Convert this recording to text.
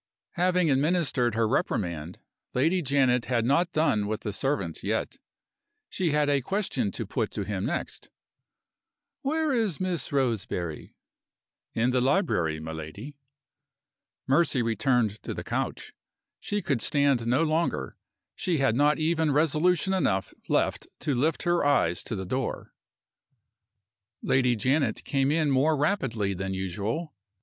Having administered her reprimand, Lady Janet had not done with the servant yet. She had a question to put to him next. "Where is Miss Roseberry?" "In the library, my lady." Mercy returned to the couch. She could stand no longer; she had not even resolution enough left to lift her eyes to the door. Lady Janet came in more rapidly than usual.